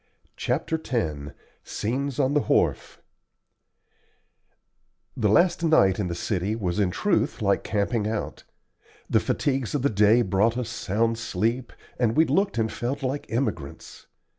CHAPTER X SCENES ON THE WHARF The last night in the city flat was in truth like camping out, the fatigues of the day brought us sound sleep, and we looked and felt like emigrants.